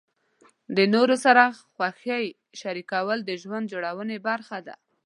د نورو سره خوښۍ شریکول د ژوند جوړونې برخه ده.